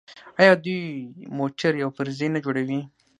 آیا دوی موټرې او پرزې نه جوړوي؟